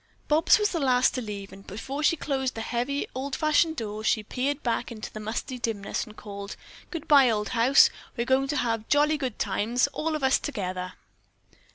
Bobs was the last one to leave, and before she closed the heavy old fashioned door, she peered back into the musty dimness and called, "Good bye, old house, we're going to have jolly good times, all of us together."